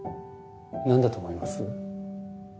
何だと思います？